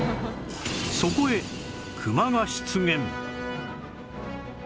そこへクマが出現